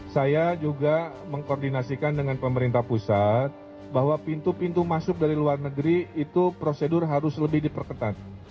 saya juga mengkoordinasikan dengan pemerintah pusat bahwa pintu pintu masuk dari luar negeri itu prosedur harus lebih diperketat